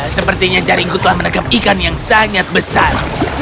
sepertinya jaringku telah menangkap ikan yang sangat besar